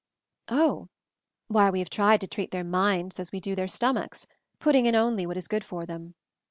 "Oh. Why, we have tried to treat their minds as we do their stomachs — putting in only what is good for then.